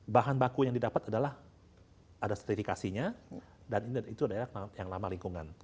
bahan baku yang didapat adalah ada sertifikasinya dan itu adalah yang ramah lingkungan